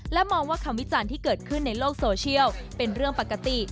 และมองว่าคำวิจารณ์ที่เกิดขึ้นในโลกโซเชียลเป็นเรื่องปกติ